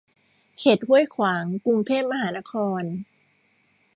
เขตห้วยขวาง กรุงเทพมหานคร